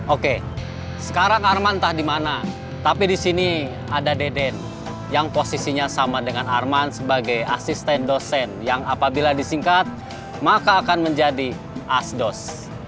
oke sekarang arman entah di mana tapi di sini ada deden yang posisinya sama dengan arman sebagai asisten dosen yang apabila disingkat maka akan menjadi asdos